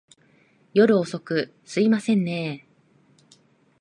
夜遅く、すいませんねぇ。